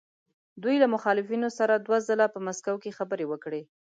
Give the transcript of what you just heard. دوی له مخالفینو سره دوه ځله په مسکو کې خبرې وکړې.